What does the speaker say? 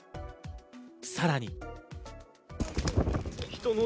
さらに。